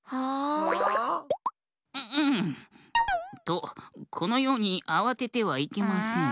とこのようにあわててはいけません。